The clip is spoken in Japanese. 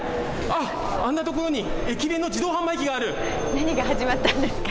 あっ、あんな所に駅弁の自動販売何が始まったんですか？